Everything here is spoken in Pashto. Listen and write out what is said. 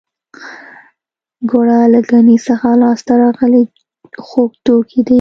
ګوړه له ګني څخه لاسته راغلی خوږ توکی دی